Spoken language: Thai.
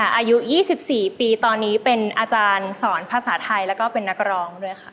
อายุ๒๔ปีตอนนี้เป็นอาจารย์สอนภาษาไทยแล้วก็เป็นนักร้องด้วยค่ะ